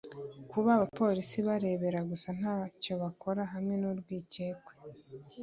Kuba abapolisi barebera gusa nta cyo bakora hamwe n urwikekwe